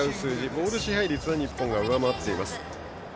ボール支配率は日本が上回っています。